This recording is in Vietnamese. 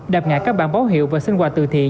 đạp ngã các bản báo hiệu và xin quà từ thiện